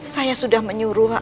saya sudah menyuruh